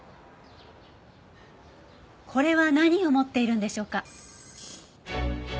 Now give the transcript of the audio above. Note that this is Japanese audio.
これは何を持っているんでしょうか？